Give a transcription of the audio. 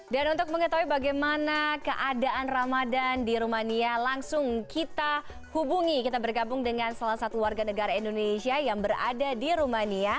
dan untuk mengetahui bagaimana keadaan ramadan di rumania langsung kita hubungi kita bergabung dengan salah satu warga negara indonesia yang berada di rumania